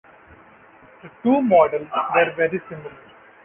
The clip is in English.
The two models were very similar.